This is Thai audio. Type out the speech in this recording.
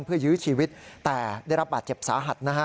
เพื่อยื้อชีวิตแต่ได้รับบาดเจ็บสาหัสนะฮะ